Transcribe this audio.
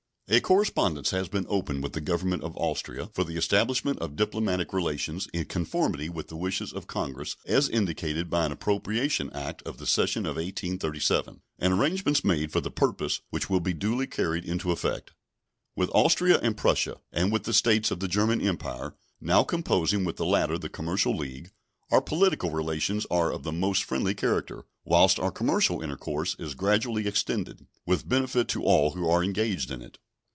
A correspondence has been opened with the Government of Austria for the establishment of diplomatic relations, in conformity with the wishes of Congress as indicated by an appropriation act of the session of 1837, and arrangements made for the purpose, which will be duly carried into effect. With Austria and Prussia and with the States of the German Empire (now composing with the latter the Commercial League) our political relations are of the most friendly character, whilst our commercial intercourse is gradually extending, with benefit to all who are engaged in it.